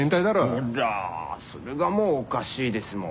ほらそれがもうおかしいですもん。